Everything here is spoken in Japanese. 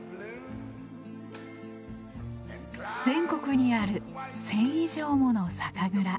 全国にある１，０００以上もの酒蔵。